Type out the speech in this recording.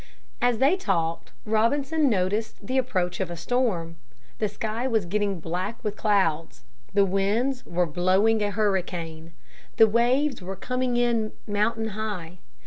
As they talked Robinson noticed the approach of a storm. The sky was getting black with clouds. The winds were blowing a hurricane. The waves were coming in mountain high.